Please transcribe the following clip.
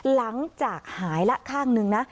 หลังจากหายแล้วค้างหนึ่งนะ